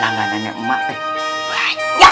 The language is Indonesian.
langganannya emak teh banyak